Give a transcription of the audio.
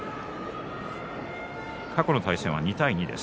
過去の対戦は２対２です。